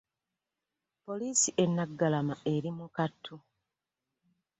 Poliisi e Naggalama eri mu kattu